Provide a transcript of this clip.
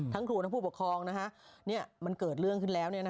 ทั้งผู้ผู้ปกครองนะฮะมันเกิดเรื่องขึ้นแล้ว